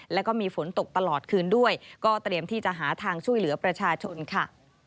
แล้วก็มีฝนตกตลอดคืนด้วยก็เตรียมที่จะหาทางช่วยเหลือประชาชนค่ะ